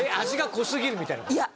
味が濃すぎるみたいな事？